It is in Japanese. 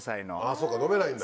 そうか飲めないんだ。